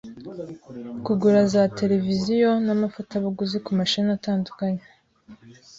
kugura za televiziyo n’amafatabuguzi ku mashene atandukanye